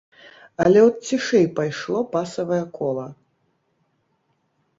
Але от цішэй пайшло пасавае кола.